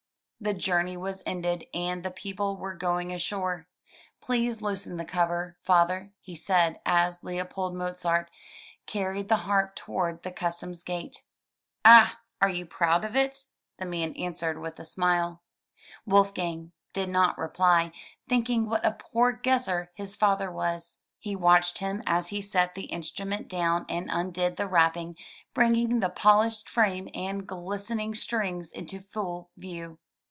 The journey was ended and the people were going ashore. "Please loosen the cover,, Father,'* he said as Leopold Mozart carried the harp toward the customs gate. *'Ah, you are proud of it!*' the man answered with a smile. Wolfgang did not reply, thinking what a poor guesser his father was. He watched him as he set the instrument down and undid the wrapping, bringing the polished frame and glis tening strings into full view.